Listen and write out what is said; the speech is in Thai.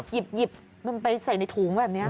หยิบมันไปใส่ในถุงแบบนี้